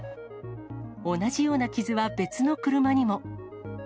同じような傷は別の車にも。